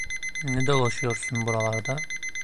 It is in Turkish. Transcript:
Ne dolaşıyorsun buralarda?